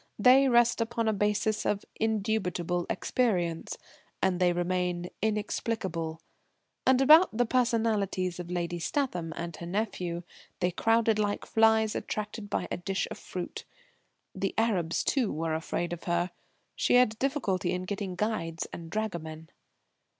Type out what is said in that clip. They rest upon a basis of indubitable experience; and they remain inexplicable. And about the personalities of Lady Statham and her nephew they crowded like flies attracted by a dish of fruit. The Arabs, too, were afraid of her. She had difficulty in getting guides and dragomen.